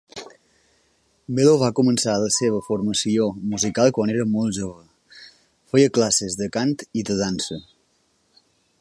Mello va començar la seva formació musical quan era molt jove; feia classes de cant i de dansa.